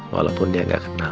walaupun dia gak kenal